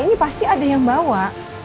ini pasti ada yang bawa